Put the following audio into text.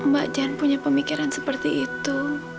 mbak jan punya pemikiran seperti itu